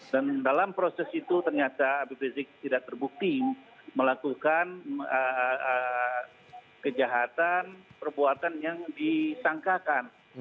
dan dalam proses itu ternyata abid rizie tidak terbukti melakukan kejahatan perbuatan yang disangkakan